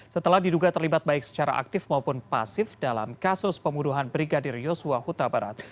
setelah diduga terlibat baik secara aktif maupun pasif dalam kasus pembunuhan brigadir yosua huta barat